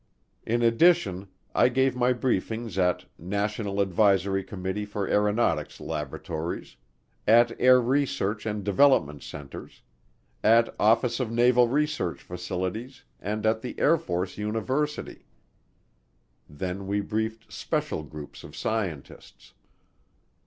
In addition I gave my briefings at National Advisory Committee for Aeronautics laboratories, at Air Research and Development centers, at Office of Naval Research facilities and at the Air Force University. Then we briefed special groups of scientists.